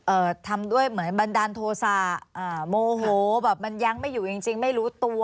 เอ่อทำด้วยเหมือนบันดาลโทษะอ่าโมโหแบบมันยังไม่อยู่จริงจริงไม่รู้ตัว